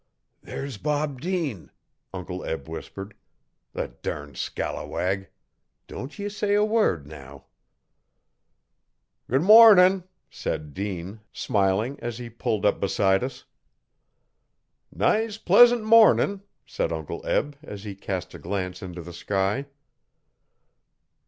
'There's Bob Dean,' Uncle Eb whispered. 'The durn scalawag! Don't ye say a word now. 'Good mornin'!' said Dean, smiling as he pulled up beside us. 'Nice pleasant mornin'!' said Uncle Eb, as he cast a glance into the sky.